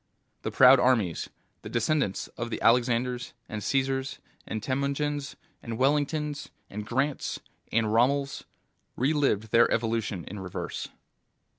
The proud armies, the descendents of the Alexanders and Caesars and Temujins and Wellingtons and Grants and Rommels, relived their evolution in reverse.